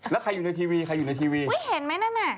แล้วใครอยู่ในทีวีใครอยู่ในทีวีอุ๊ยเห็นไหมนั่นน่ะ